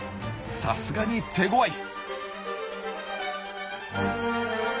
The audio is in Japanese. さすがに手ごわい！